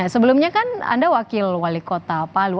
sebelumnya kan anda wakil wali kota palu